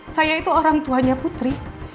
saya itu orang tuanya putri